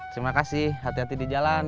terima kasih hati hati di jalan